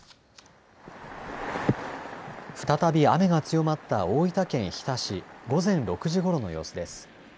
再び雨が強まった大分県日田市、午前６時ごろの様子です。